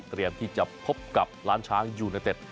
เตรียมที่จะพบกับล้านช้างยูไนเต็ด